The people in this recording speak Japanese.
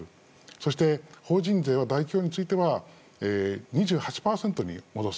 そして法人税は大企業については２８％に戻す。